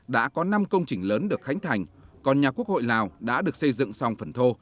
đã có năm công trình lớn được khánh thành còn nhà quốc hội lào đã được xây dựng xong phần thô